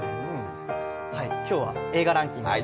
今日は映画ランキングです。